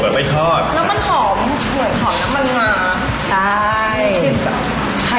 แล้วมันหอมเหมือนหอน้ำมะ